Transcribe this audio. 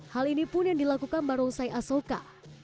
hal ini pun yang dilakukan barongsai asoka